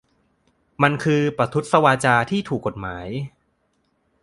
มันคือ "'ประทุษวาจา' ที่ถูกกฎหมาย"